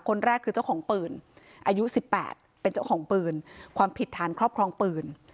คนแรกคือเจ้าของปืนอายุ๑๘เป็นเจ้าของปืนความผิดฐานครอบครองปืน